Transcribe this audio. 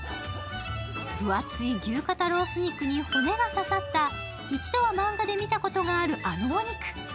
分厚い牛肩ロース肉に骨が刺さった一度は漫画で見たことがある、あのお肉。